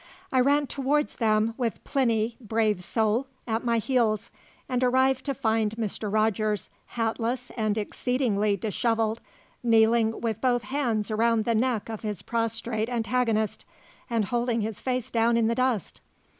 I ran towards them, with Plinny brave soul! at my heels, and arrived to find Mr. Rogers, hatless and exceedingly dishevelled, kneeling with both hands around the neck of his prostrate antagonist, and holding his face down in the dust.